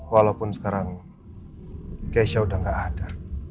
walaupun sekarang keisha udah gak ada